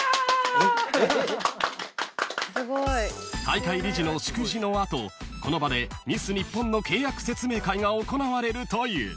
［大会理事の祝辞の後この場でミス日本の契約説明会が行われるという］